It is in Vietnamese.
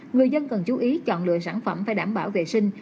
người dân cần chú ý chọn lựa sản phẩm phải đảm bảo vệ sinh